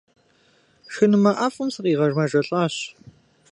Шхынымэ ӏэфӏым сыкъигъэмэжэлӏащ.